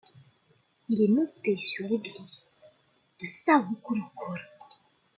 Il est monté sur l'église de Sauðárkrókur.